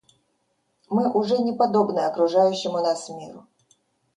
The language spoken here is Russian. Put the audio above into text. Мы уже не подобны окружающему нас миру.